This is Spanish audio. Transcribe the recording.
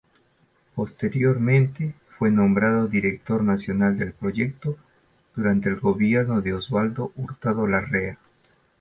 Posteriormente fue nombrado director nacional del proyecto, durante el gobierno de Osvaldo Hurtado Larrea.